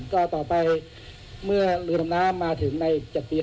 ก็ต่อไปเมื่อเรือดำน้ำมาถึงใน๗ปี